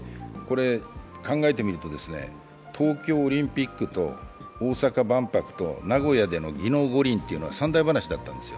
考えてみると、東京オリンピックと大阪万博と、名古屋での技能五輪というのは三題ばなしだったんです。